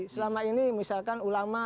selama ini misalkan ulama